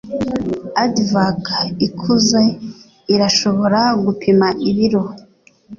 Aardvark ikuze irashobora gupima ibiro